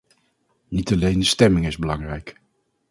Niet alleen de stemming is belangrijk.